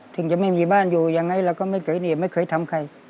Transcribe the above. ถึงจะไม่มีบ้านอยู่ยังไงเราก็ไม่เคยหนีบไม่เคยทำใคร